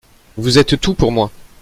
Vous êtes tout pour moi.